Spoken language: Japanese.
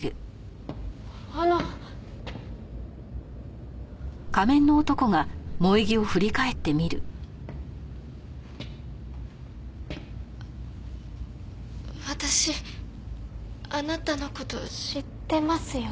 私あなたの事知ってますよね？